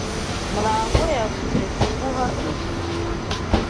Murangwa yavuze kuguha ibi.